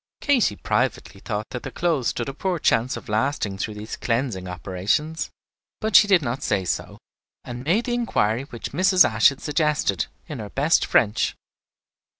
Katy privately thought that the clothes stood a poor chance of lasting through these cleansing operations; but she did not say so, and made the inquiry which Mrs. Ashe had suggested, in her best French.